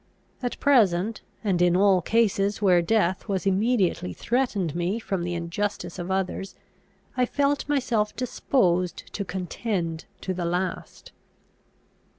At present, and in all cases where death was immediately threatened me from the injustice of others, I felt myself disposed to contend to the last.